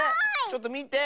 ちょっとみて！